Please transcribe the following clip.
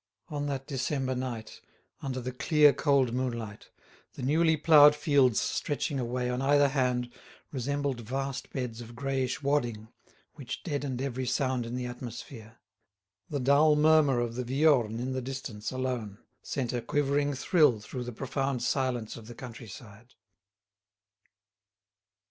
On that December night, under the clear cold moonlight, the newly ploughed fields stretching away on either hand resembled vast beds of greyish wadding which deadened every sound in the atmosphere. The dull murmur of the Viorne in the distance alone sent a quivering thrill through the profound silence of the country side.